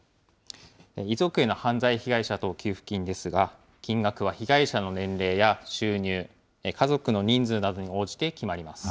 遺族への犯罪被害者等給付金ですが、金額は被害者の年齢や収入、家族の人数などに応じて決まります。